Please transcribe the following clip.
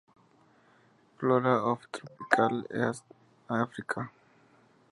Flora of Tropical East Africa.